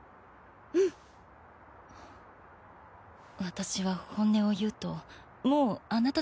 私は本音を言うともうあなたたちには。